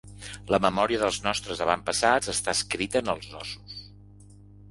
La memòria dels nostres avantpassats està escrita en els ossos.